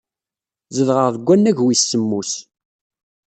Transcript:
Zedɣeɣ deg wannag wis semmus.